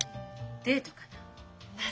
デートかな。